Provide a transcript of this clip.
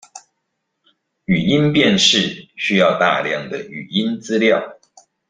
語音辨識需要大量的語音資料